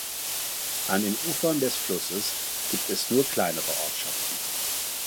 An der Ufern des Flusses gibt es nur kleinere Ortschaften.